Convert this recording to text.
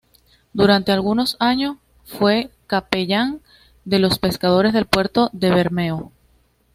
Durante algunos año fue capellán de los pescadores del puerto de Bermeo.